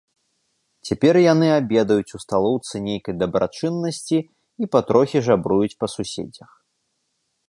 Цяпер яны абедаюць у сталоўцы нейкай дабрачыннасці і патрохі жабруюць па суседзях.